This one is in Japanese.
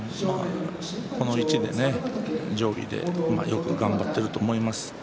上位でよく頑張っていると思います